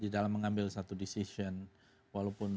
di dalam mengambil satu keputusan